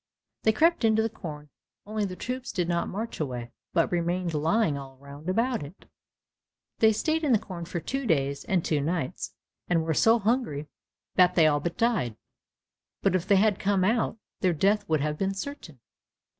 They crept into the corn, only the troops did not march away, but remained lying all round about it. They stayed in the corn for two days and two nights, and were so hungry that they all but died, but if they had come out, their death would have been certain.